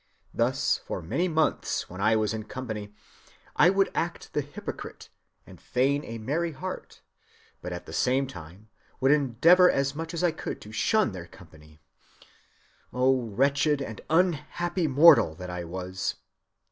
Thus for many months when I was in company, I would act the hypocrite and feign a merry heart, but at the same time would endeavor as much as I could to shun their company, oh wretched and unhappy mortal that I was!